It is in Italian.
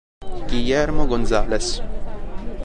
Guillermo González